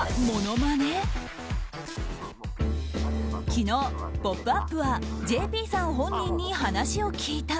昨日、「ポップＵＰ！」はＪＰさん本人に話を聞いた。